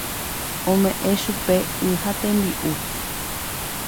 Ome'ẽ chupe y ha tembi'u.